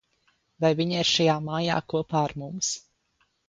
Vai viņa ir šajā mājā kopā ar mums?